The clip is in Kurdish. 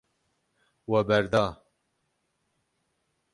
We berda.